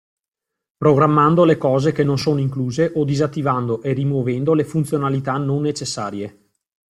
Programmando le cose che non sono incluse o disattivando e rimuovendo le funzionalità non necessarie.